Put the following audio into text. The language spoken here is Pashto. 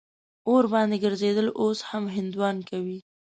اور باندې ګرځېدل اوس هم هندوان کوي.